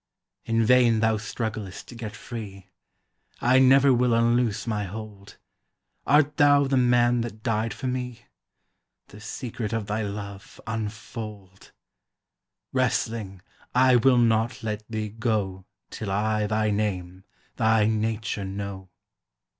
In vain thou strugglest to get free; I never will unloose my hold: Art thou the Man that died for me? The secret of thy love unfold; Wrestling, I will not let thee go Till I thy name, thy nature know.